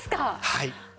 はい。